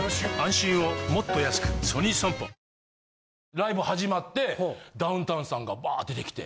ライブ始まってダウンタウンさんがバーッ出てきて。